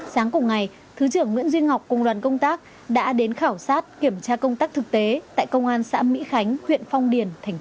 sáng cùng ngày thứ trưởng nguyễn duy ngọc cùng đoàn công tác đã đến khảo sát kiểm tra công tác thực tế tại công an xã mỹ khánh huyện phong điền